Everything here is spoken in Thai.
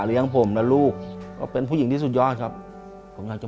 เปลี่ยนเพลงเพลงเก่งของคุณและข้ามผิดได้๑คำ